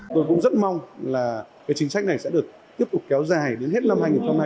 tôi cũng rất mong là chính sách này sẽ được tiếp tục kéo dài đến hết năm hai nghìn hai mươi